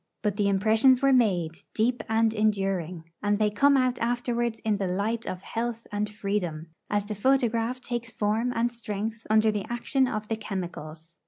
But the impressions were made, deep and enduring; and they come out afterwards in the light of health and freedom, as the photograph takes form and strength under the action of the chemicals.